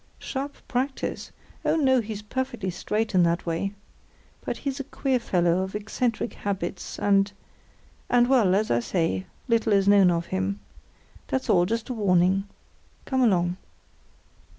Sharp practice? Oh, no! he's perfectly straight in that way. But he's a queer fellow, of eccentric habits, and—and, well, as I say, little is known of him. That's all, just a warning. Come along."